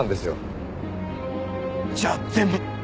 じゃあ全部。